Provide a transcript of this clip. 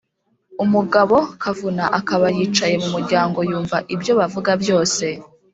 umugabokavuna akaba yicaye mu muryango yumva ibyo bavuga byose.